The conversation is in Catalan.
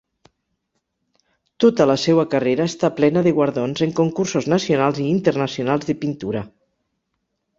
Tota la seua carrera està plena de guardons en concursos nacionals i internacionals de pintura.